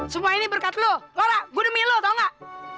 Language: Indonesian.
semua ini berkat lu laura gua demi lu tau nggak